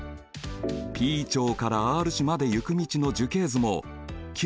Ｐ町からＲ市まで行く道の樹形図もＱ